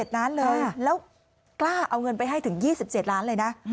๗ล้านเลยแล้วกล้าเอาเงินไปให้ถึง๒๗ล้านเลยนะ